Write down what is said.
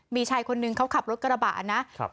มีชายคนนึงเขาขับรถกระบะนะครับ